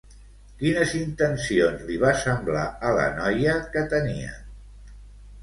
Quines intencions li va semblar a la noia que tenien?